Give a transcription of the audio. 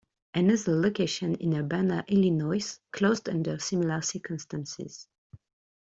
Another location in Urbana, Illinois closed under similar circumstances.